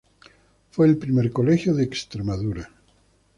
Fue el primer colegio de Extremadura.